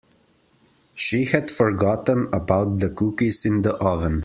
She had forgotten about the cookies in the oven.